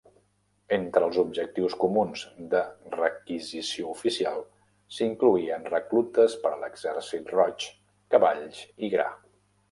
Entre els objectius comuns de requisició oficial, s'incloïen reclutes per a l'Exèrcit Roig, cavalls i gra.